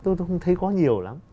tôi không thấy có nhiều lắm